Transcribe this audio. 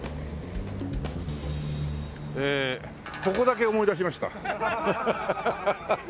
えーここだけ思い出しました。